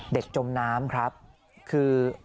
จมน้ำครับคือ